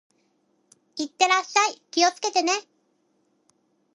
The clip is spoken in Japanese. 行ってらっしゃい。気をつけてね。